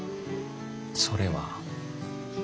それは。